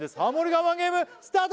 我慢ゲームスタート！